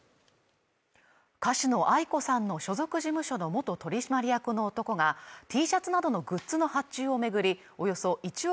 歌手のａｉｋｏさんの所属事務所の元取締役の男がＴシャツなどのグッズの発注を巡り